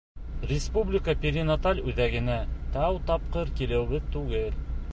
Республика перинаталь үҙәгенә тәү тапҡыр килеүебеҙ түгел.